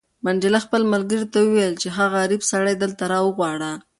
منډېلا خپل ملګري ته وویل چې هغه غریب سړی دلته راوغواړه.